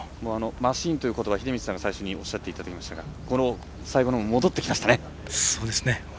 マシーンということばをおっしゃっていただきましたが最後のほう、戻ってきましたね。